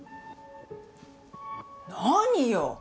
何よ！